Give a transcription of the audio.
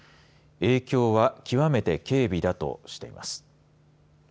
影響は極めて軽微だとしています。